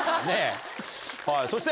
そして。